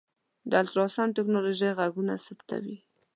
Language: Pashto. د الټراسونډ ټکنالوژۍ غږونه ثبتوي.